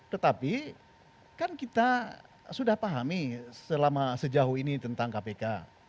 tetapi kan kita sudah pahami sejauh ini tentang kpk